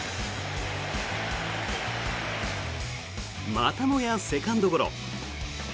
またもやセカンドゴロ。